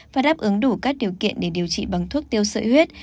và đáp ứng đủ các điều kiện để điều trị bằng thuốc tiêu sợi huyết